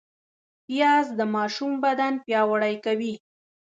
پیاز د ماشوم بدن پیاوړی کوي